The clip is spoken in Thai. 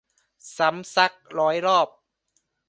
ซ้ำซักร้อยรอบ